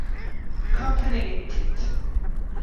Co, Ltd.